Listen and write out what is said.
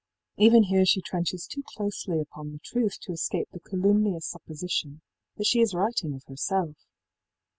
Even here she trenches too closely upon the truth to escape the calumnious supposition that she is writing of herself.